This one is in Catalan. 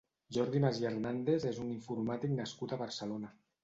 Jordi Mas i Hernàndez és un informàtic nascut a Barcelona.